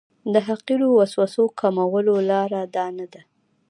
د حقیرو وسوسو کمولو لاره دا نه ده.